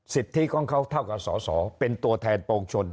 สิทธิของเขาเท่ากับสอสอเป็นตัวแทนโปรงชน